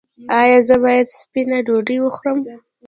ایا زه باید سپینه ډوډۍ وخورم؟